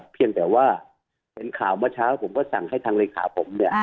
เพียงแต่ว่าเห็นข่าวเมื่อเช้าผมก็สั่งให้ทางเลขาผมเนี่ย